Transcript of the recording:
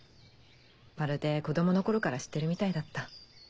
まるで子供の頃から知ってるみたいだった。